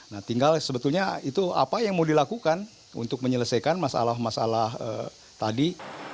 nah tinggal sebetulnya itu apa yang mau dilakukan untuk menyelesaikan masalah masalah tadi